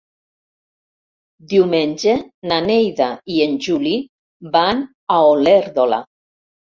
Diumenge na Neida i en Juli van a Olèrdola.